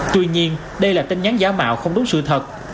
tuy nhiên đây là tin nhắn giả mạo không đúng sự thật